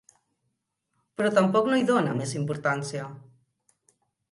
Però tampoc no hi dona més importància.